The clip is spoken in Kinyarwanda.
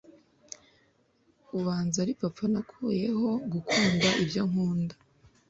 ubanza ari papa nakuyeho gukunda ibyo nkunda